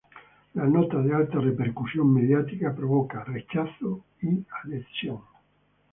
La nota, de alta repercusión mediática, provoca rechazo y adhesión.